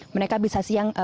mereka bisa siang